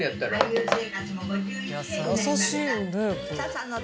優しいよね。